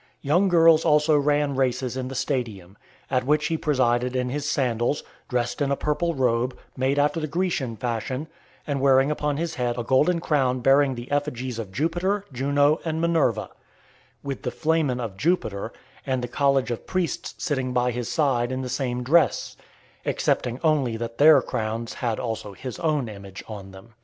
Young girls also ran races in the Stadium, at which he presided in his sandals, dressed in a purple robe, made after the Grecian fashion, and wearing upon his head a golden crown bearing the effigies of Jupiter, Juno, and Minerva; with the flamen of Jupiter, and the college of priests sitting by his side in the same dress; excepting only that their crowns had also his own image on them.